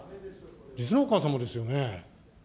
実のお母様ですよね。